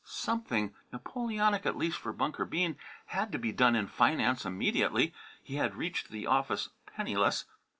Something, Napoleonic at least for Bunker Bean, had to be done in finance immediately. He had reached the office penniless.